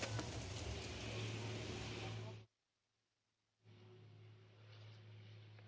สวัสดีครับ